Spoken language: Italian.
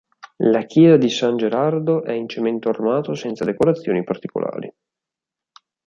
La chiesa di San Gerardo è in cemento armato senza decorazioni particolari.